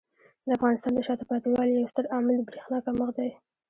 د افغانستان د شاته پاتې والي یو ستر عامل د برېښنا کمښت دی.